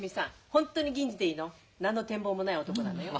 ホントに銀次でいいの？何の展望もない男なのよ。